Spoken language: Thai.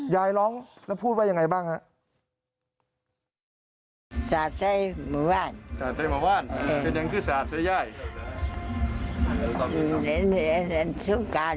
ยายร้องแล้วพูดว่ายังไงบ้างฮะ